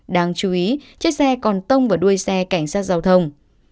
đáng chú ý chiếc xe còn tông vào đuôi xe cảnh sát giao thông